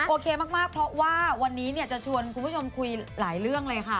โอเคมากเพราะว่าวันนี้เนี่ยจะชวนคุณผู้ชมคุยหลายเรื่องเลยค่ะ